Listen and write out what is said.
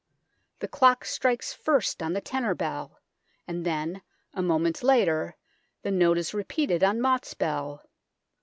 The clock strikes first on the tenor bell, and then a moment later the note is repeated on Mot's bell.